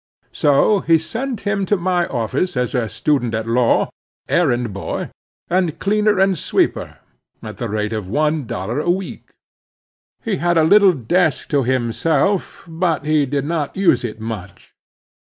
So he sent him to my office as student at law, errand boy, and cleaner and sweeper, at the rate of one dollar a week. He had a little desk to himself, but he did not use it much.